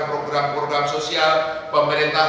program program sosial pemerintah